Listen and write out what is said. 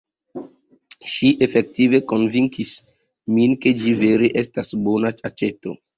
Ŝi efektive konvinkis min ke ĝi vere estas bona aĉeto.